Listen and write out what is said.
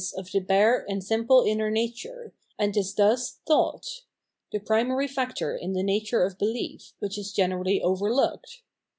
of the hare and simple inner nature, and is thus thought — ^the primary factor in the nature of belief, which is generally overlooked.